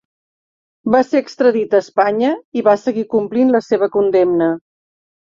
Va ser extradit a Espanya i va seguir complint la seva condemna.